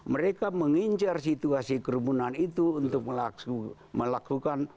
mereka mengincar situasi kerumunan itu untuk melakukan